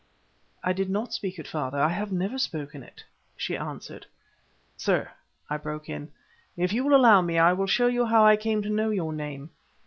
"I did not speak it, father. I have never spoken it," she answered. "Sir," I broke in, "if you will allow me I will show you how I came to know your name.